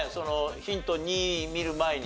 ヒント２見る前に。